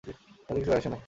তাহাতে কিছু আসে যায় না।